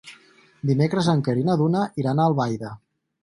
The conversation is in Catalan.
Dimecres en Quer i na Duna iran a Albaida.